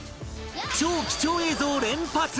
超貴重映像連発！